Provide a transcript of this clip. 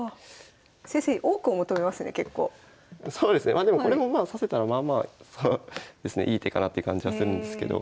まあでもこれもまあ指せたらまあまあいい手かなという感じはするんですけど。